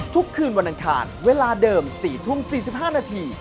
ทุกคืนวันอังคารเวลาเดิม๔ทุ่ม๔๕นาที